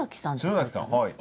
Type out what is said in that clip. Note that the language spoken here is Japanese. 篠崎さんはい。